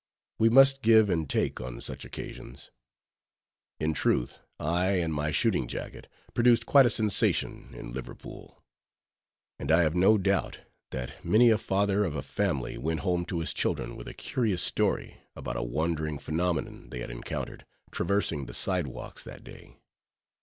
We must give and take on such occasions. In truth, I and my shooting jacket produced quite a sensation in Liverpool: and I have no doubt, that many a father of a family went home to his children with a curious story, about a wandering phenomenon they had encountered, traversing the side walks that day.